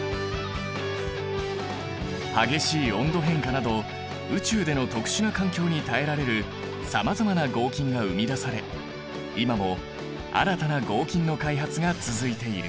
激しい温度変化など宇宙での特殊な環境に耐えられるさまざまな合金が生み出され今も新たな合金の開発が続いている。